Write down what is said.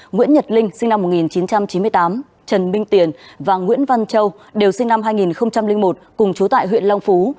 nguyễn nhật linh sinh năm một nghìn chín trăm chín mươi tám trần minh tiền và nguyễn văn châu đều sinh năm hai nghìn một cùng chú tại huyện long phú